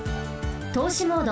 とうしモード。